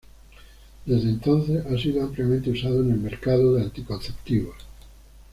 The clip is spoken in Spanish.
Desde entonces ha sido ampliamente usado en el mercado de anticonceptivos.